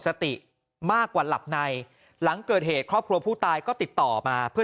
สติมากกว่าหลับในหลังเกิดเหตุครอบครัวผู้ตายก็ติดต่อมาเพื่อ